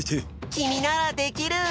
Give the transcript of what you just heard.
きみならできる！